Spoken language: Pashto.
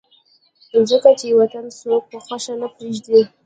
ځکه چې وطن څوک پۀ خوښه نه پريږدي